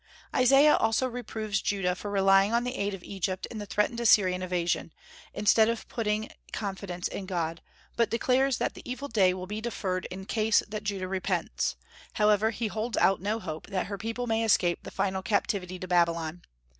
Isaiah also reproves Judah for relying on the aid of Egypt in the threatened Assyrian invasion, instead of putting confidence in God, but declares that the evil day will be deferred in case that Judah repents; however, he holds out no hope that her people may escape the final captivity to Babylon.